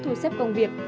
thu xếp công việc